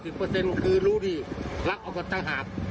ไม่ตกใจ๙๐คือรู้ดีรักเอาไปทั้งหาบ